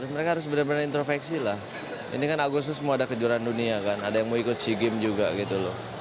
mereka harus benar benar introveksi lah ini kan agustus mau ada kejuaraan dunia kan ada yang mau ikut sea games juga gitu loh